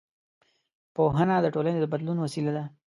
پوهنه د ټولنې د بدلون وسیله ده